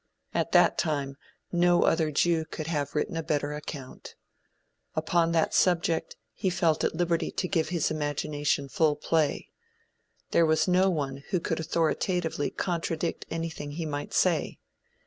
At that time, no other Jew could have written a better account. Upon that subject he felt at liberty to give his imagination full play. There was no one who could authoritatively contradict anything he might say.